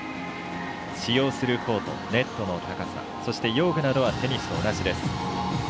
使用するコート、ネットの高さそして、用具などはテニスと同じです。